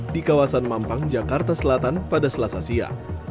di kawasan mampang jakarta selatan pada selasasia